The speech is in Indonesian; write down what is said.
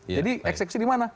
jadi eksekusi di mana